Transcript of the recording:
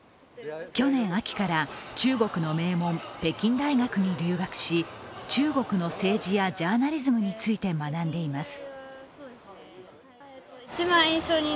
去年秋から中国の名門、北京大学に留学し中国の政治やジャーナリズムについて学んでいます。